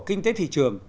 kinh tế thị trường